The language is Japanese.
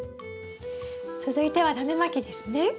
続いてはタネまきですね。